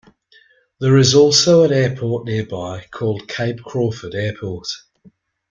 There is also an airport nearby called Cape Crawford Airport.